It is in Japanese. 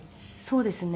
そうですね。